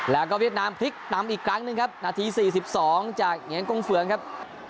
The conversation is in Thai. แล้วก็เวียดนามพลิกนำอีกครั้งหนึ่งครับนาที๔๒จากเหงียนกงเฟืองครับ